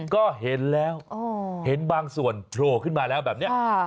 ก็เห็นแล้วเห็นบางส่วนโผล่ขึ้นมาแล้วแบบนี้